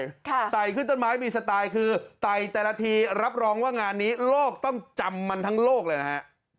ไต่ขึ้นต้นไม้มีสไตล์คือไต่แต่ละทีรับรองว่างานนี้โลกต้องจำมันทั้งโลกเลยนะฮะ